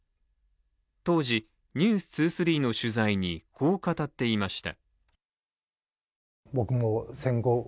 当時、「ＮＥＷＳ２３」の取材にこう語っていました。